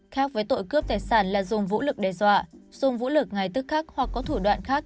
khác với tội cướp tài sản là dùng vũ lực đe dọa dùng vũ lực ngay tức khắc hoặc có thủ đoạn khác